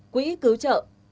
quỹ cứu trợ